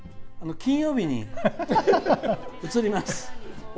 金曜日に移ります。